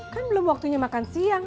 kan belum waktunya makan siang